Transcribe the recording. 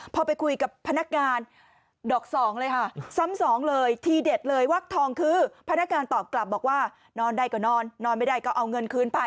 พอไปคุยกับพนักงานดอกสองเลยค่ะซ้ำสองเลยทีเด็ดเลยวักทองคือพนักงานตอบกลับบอกว่านอนได้ก็นอนนอนไม่ได้ก็เอาเงินคืนไป